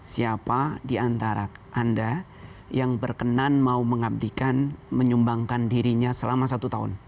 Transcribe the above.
siapa di antara anda yang berkenan mau mengabdikan menyumbangkan dirinya selama satu tahun